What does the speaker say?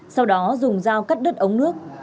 sau đó dùng dao cắt đứt ống nước